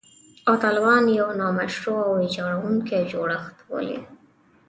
او طالبان یو «نامشروع او ویجاړوونکی جوړښت» بولي